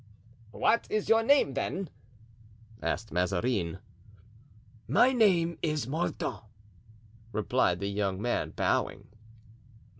"What is your name, then?" asked Mazarin. "My name is Mordaunt," replied the young man, bowing.